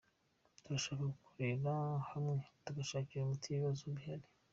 Turashaka gukorera hamwe tugashakira umuti ibibazo bihari ".